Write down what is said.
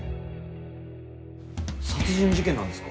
殺人事件なんですか？